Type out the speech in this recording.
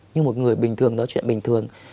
như một người bình thường nói chuyện bình thường